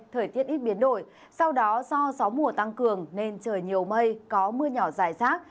thời tiết ít biến đổi sau đó do gió mùa tăng cường nên trời nhiều mây có mưa nhỏ dài rác